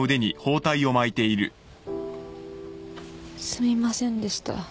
すみませんでした。